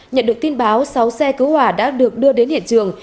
nhận được tin báo sáu xe cứu hỏa đã được đưa đến hiện trường